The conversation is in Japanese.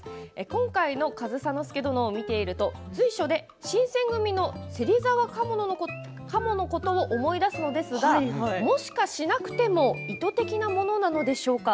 今回の上総介殿を見ていると随所で「新選組！」の芹沢鴨のことを思い出すのですがもしかして、もしかしなくても意図的なものなのでしょうか。